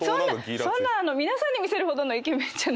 そんな皆さんに見せるほどのイケメンじゃないんですけど。